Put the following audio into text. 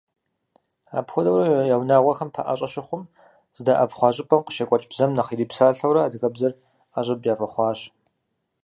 Апхуэдэурэ я унагъуэхэм пэӀэщӀэ щыхъум, здэӀэпхъуа щӀыпӀэм къыщекӀуэкӀ бзэм нэхъ ирипсалъэурэ, адыгэбзэр ӀэщӀыб яфӀэхъуащ.